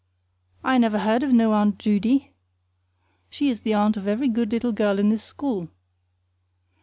"I never heard of no Aunt Judy." "She is the aunt of every good little girl in this school."